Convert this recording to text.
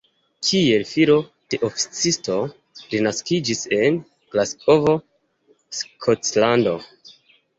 Kiel filo de oficisto li naskiĝis en Glasgovo, Skotlando.